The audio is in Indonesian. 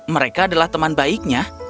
mereka adalah teman baiknya